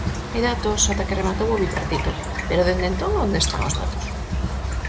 Hai datos até que rematou o bipartito; pero dende entón onde están os datos?